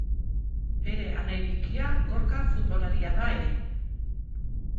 Bere anai bikia Gorka futbolaria da ere.